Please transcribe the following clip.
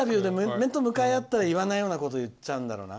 面と向かい合ったら言っちゃいけないことを言っちゃうんだろうな。